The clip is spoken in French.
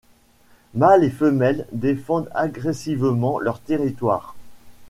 Mâle et femelle défendent agressivement leur territoire.